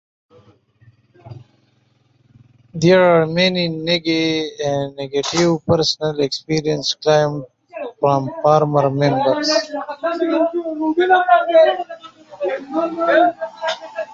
There are many negative personal experiences claimed from former members.